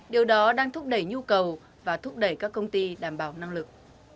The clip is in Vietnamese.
điều đó đang thúc đẩy nhu cầu và thúc đẩy các công ty đảm bảo năng lực